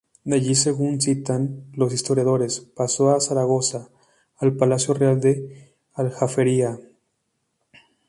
De allí, según citan los historiadores, pasó a Zaragoza, al palacio real del Aljafería.